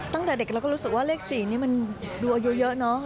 ตั้งแต่เด็กเราก็รู้สึกว่าเลข๔นี่มันดูอายุเยอะเนอะ